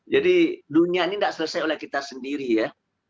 jadi dunia ini tidak selesai oleh kita sendiri ya